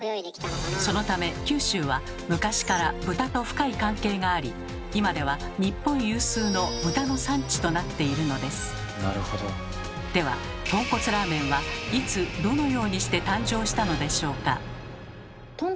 そのため九州は昔から豚と深い関係があり今では日本有数のではとんこつラーメンはいつどのようにして誕生したのでしょうか？